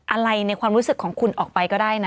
อะไรในความรู้สึกของคุณออกไปก็ได้นะ